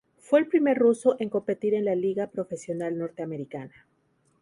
Fue el primer ruso en competir en la liga profesional norteamericana.